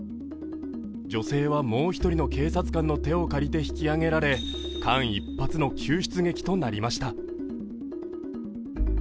女性はもう一人の警察官の手を借りて助けられ間一髪の救出劇となりました。